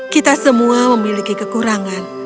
kita semua memiliki kekurangan